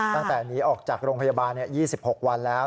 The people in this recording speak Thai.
ตั้งแต่หนีออกจากโรงพยาบาล๒๖วันแล้ว